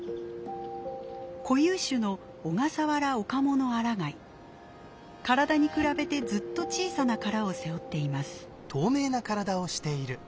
固有種の体に比べてずっと小さな殻を背負っています。